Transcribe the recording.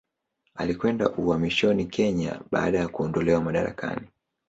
Alikwenda uhamishoni Kenya baada ya kuondolewa madarakani.